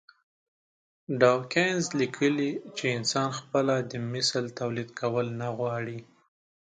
ډاوکېنز ليکلي چې انسان خپله د مثل توليد کول نه غواړي.